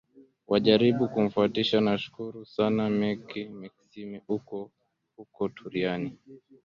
wajaribu kumfwatisha nakushukuru sana meck maxime ukiwa huko turiani